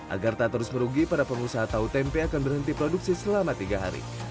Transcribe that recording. agar tak terus merugi para pengusaha tahu tempe akan berhenti produksi selama tiga hari